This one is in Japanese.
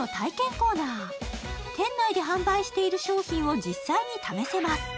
コーナー店内で販売している商品を実際に試せます